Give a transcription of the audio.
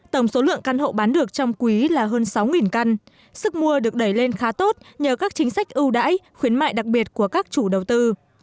tổng số lượng căn hộ bán được trong quý là hơn sáu căn sức mua được đẩy lên khá tốt nhờ các chính sách ưu đãi khuyến mại đặc biệt của các chủ đầu tư